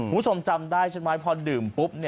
คุณผู้ชมจำได้ใช่ไหมพอดื่มปุ๊บ